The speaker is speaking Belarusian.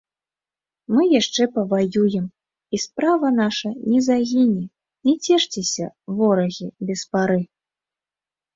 Мы яшчэ паваюем, і справа наша не загіне, не цешцеся, ворагі, без пары!